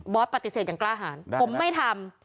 ปฏิเสธอย่างกล้าหารผมไม่ทำ